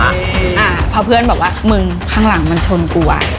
อ่าพอเพื่อนบอกว่ามึงข้างหลังมันชนกูอ่ะ